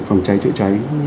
phòng cháy trợ cháy